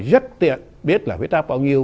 rất tiện biết là huyết áp bao nhiêu